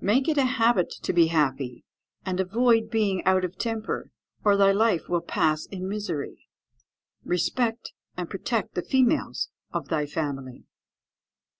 "Make it a habit to be happy, and avoid being out of temper, or thy life will pass in misery. "Respect and protect the females of thy family.